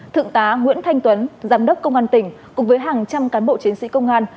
thượng tá nguyễn thanh tuấn giám đốc công an tỉnh cùng với hàng trăm cán bộ chiến sĩ công an